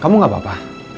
kamu gak apa apa